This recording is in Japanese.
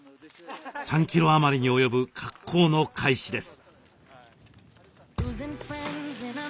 ３キロ余りに及ぶ滑降の開始です。